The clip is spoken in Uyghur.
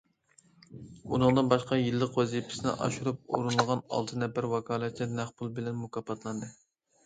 ئۇنىڭدىن باشقا يىللىق ۋەزىپىسىنى ئاشۇرۇپ ئورۇنلىغان ئالتە نەپەر ۋاكالەتچى نەق پۇل بىلەن مۇكاپاتلاندى.